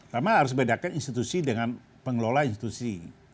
karena harus membedakan institusi dengan pengelola institusi